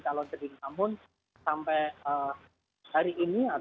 kalau sedih namun sampai hari ini atau sampai hari ini